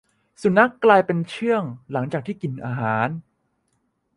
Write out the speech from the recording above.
สุนัขกลายเป็นเชื่องหลังจากที่กินอาหาร